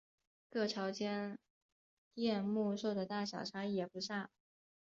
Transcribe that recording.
各朝间镇墓兽的大小差异也不大。